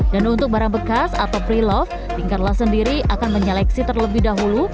dan untuk barang bekas atau prelove tinkerlust sendiri akan menyeleksi terlebih dahulu